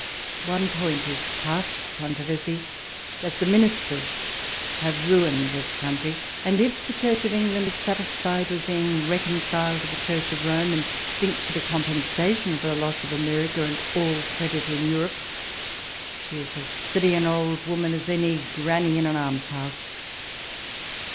One point is past contro versy, that the Ministers have ruined this coun walpole's letters. 165 try ; and if the Church of England is satisfied with being leconciled to the Church of Rome, and thinks it a compensation for the loss of America and all credit in Europe, she is as silly an old woman as any granny in an almshouse.